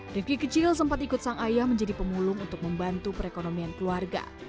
rifki kecil sempat ikut sang ayah menjadi pemulung untuk membantu perekonomian keluarga